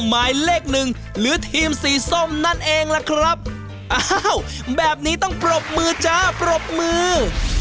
หมายเลขหนึ่งหรือทีมสีส้มนั่นเองล่ะครับอ้าวแบบนี้ต้องปรบมือจ้าปรบมือ